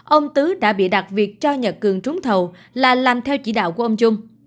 ông tứ đã bịa đặt việc cho nhật cường trúng thầu là làm theo chỉ đạo của ông trung